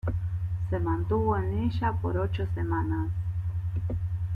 Se mantuvo en ella por ocho semanas.